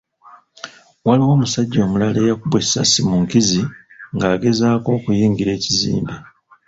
Waliwo omusajja omulala eyakubwa essasi mu nkizi ng’agezaako okuyingira ekizimbe .